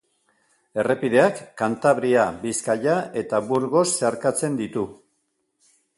Errepideak Kantabria, Bizkaia eta Burgos zeharkatzen ditu.